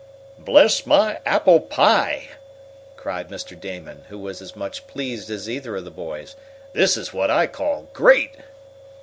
"Bless my apple pie!" cried Mr. Damon, who was as much pleased as either of the boys, "this is what I call great!"